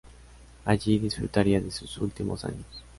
Allí disfrutaría de sus últimos años.